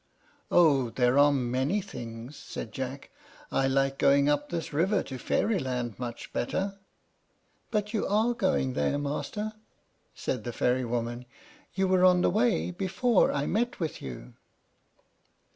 "Oh, there are many things," said Jack. "I like going up this river to Fairyland much better." "But you are going there, master," said the fairy woman; "you were on the way before I met with you."